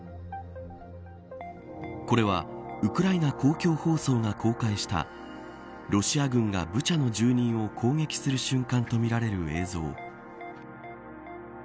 これはウクライナ公共放送が公開したロシア軍がブチャの住人を攻撃する瞬間とみられる映像。